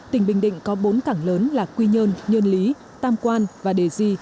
tỉnh bình định có bốn cảng lớn là quy nhơn nhơn lý tam quan và đề di